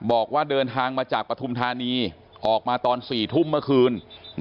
บอกว่าเดินทางมาจากปฐุมธานีออกมาตอน๔ทุ่มเมื่อคืน